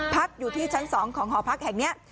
พักอยู่ที่ชั้น๒ของหอพักแห่งนี้